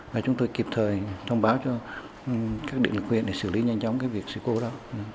và chúng tôi kịp thời thông báo cho các điện lực huyện để xử lý nhanh chóng cái việc sự cố đó